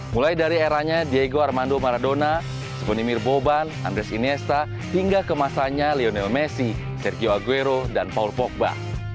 mulai dari eranya diego armando maradona sevenir boban andres inesta hingga kemasannya lionel messi sergio aguero dan paul pogba